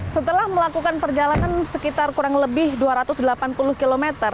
setelah melakukan perjalanan sekitar kurang lebih dua ratus delapan puluh km